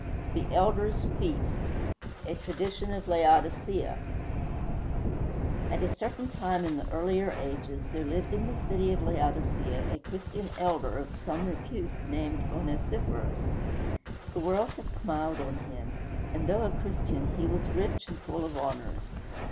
THE ELDER'S FEAST A TRADITION OF LAODICEA At a certain time in the earlier ages there lived in the city of Laodicea a Christian elder of some repute, named Onesiphorus. The world had smiled on him, and though a Christian, he was rich and full of honors.